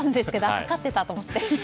あ、かかってたと思って。